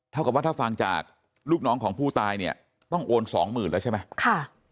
เท่ากับว่าถ้าฟังจากลูกน้องของผู้ตายเนี่ยต้องโอนสองหมื่นแล้วใช่ไหม